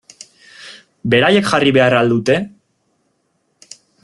Beraiek jarri behar al dute?